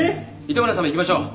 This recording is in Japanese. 糸村さんも行きましょう。